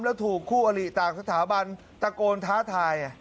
แล้วถูกคู่อลิต่างสถาบันตะโกนท้าทาย